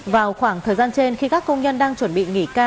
vào khoảng thời gian trên khi các công nhân đang chuẩn bị nghỉ ca